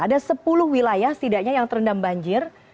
ada sepuluh wilayah setidaknya yang terendam banjir